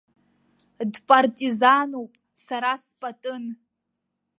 Дпартизануп, сара спатын!